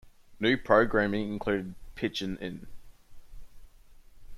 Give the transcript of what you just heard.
New programming included Pitchin' In.